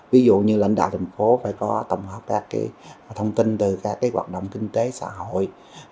ví dụ như lãnh đạo thành phố phải có tổng hợp các thông tin từ các hoạt động kinh tế xã hội